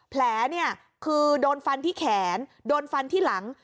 แผลเนี่ยคือโดนฟันที่แขนโดนฟันที่หลัง